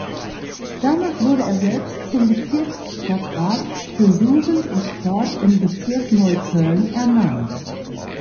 Danach wurde er selbst zum Bezirksstadtrat für Jugend und Sport im Bezirk Neukölln ernannt.